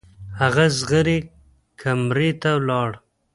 هغه د زغرې کمرې ته لاړ.